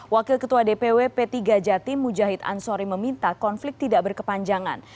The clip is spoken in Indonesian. wakil ketua dpw p tiga jatim mujahid ansori meminta konflik tidak berkepanjangan